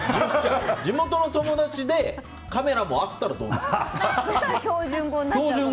地元の友達でカメラもあったらどうなの？